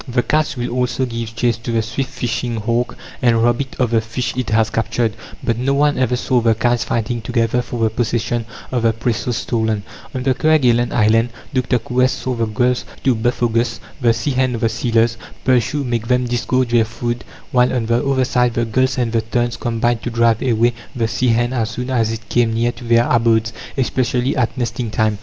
The kites will also give chase to the swift fishing hawk, and rob it of the fish it has captured; but no one ever saw the kites fighting together for the possession of the prey so stolen. On the Kerguelen Island, Dr. Coues saw the gulls to Buphogus the sea hen of the sealers pursue make them disgorge their food, while, on the other side, the gulls and the terns combined to drive away the sea hen as soon as it came near to their abodes, especially at nesting time.